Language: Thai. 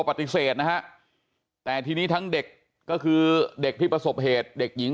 ปฏิเสธนะฮะแต่ทีนี้ทั้งเด็กก็คือเด็กที่ประสบเหตุเด็กหญิง